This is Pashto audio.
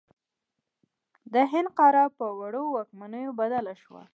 د هند قاره په وړو واکمنیو بدله شوه.